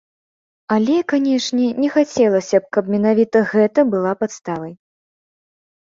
Але, канечне, не хацелася б, каб менавіта гэта была падставай.